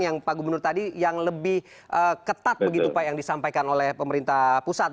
yang pak gubernur tadi yang lebih ketat begitu pak yang disampaikan oleh pemerintah pusat